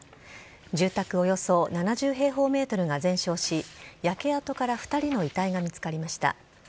およそ７０平方メートルが全焼し、焼け跡から２人の遺体が見つかりました。